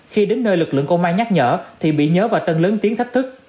khi đến nơi lực lượng công an nhắc nhở thì bị nhớ và tân lớn tiếng thách thức